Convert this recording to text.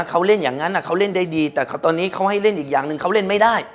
เขาเล่นอย่างนั้นเขาเล่นได้ดีแต่ตอนนี้เขาให้เล่นอีกอย่างหนึ่งเขาเล่นไม่ได้